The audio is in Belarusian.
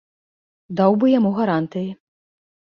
Даў бы яму гарантыі.